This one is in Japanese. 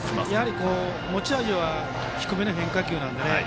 持ち味は低めの変化球なのでね。